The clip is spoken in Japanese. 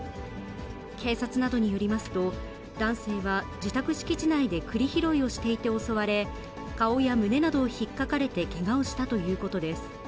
警察などによりますと、男性は自宅敷地内でくり拾いをしていて襲われ、顔や胸などをひっかかれてけがをしたということです。